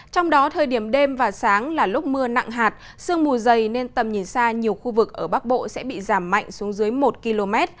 trong đó thời điểm đêm và sáng là lúc mưa nặng hạt sương mù dày nên tầm nhìn xa nhiều khu vực ở bắc bộ sẽ bị giảm mạnh xuống dưới một km